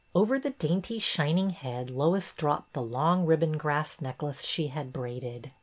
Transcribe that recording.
Over the dainty shining head Lois dropped the long ribbon grass necklace she had braided.